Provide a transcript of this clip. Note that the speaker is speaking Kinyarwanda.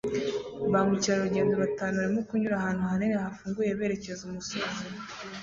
Ba mukerarugendo batanu barimo kunyura ahantu hanini hafunguye berekeza umusozi